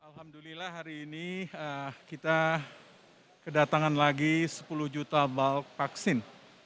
alhamdulillah hari ini kita kedatangan lagi sepuluh juta bal vaksin